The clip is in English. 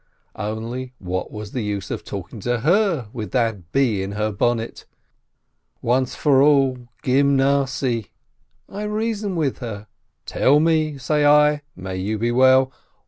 Only what was the use of talking to her with that bee in her bonnet? Once for all, Gymnasiye! I reason with her. "Tell me," say I, "(may you be well